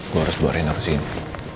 gue harus bawa reina kesini